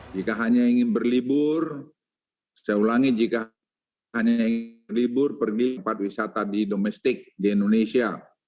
jika hanya ingin berlibur saya ulangi jika hanya libur pergi tempat wisata di domestik di indonesia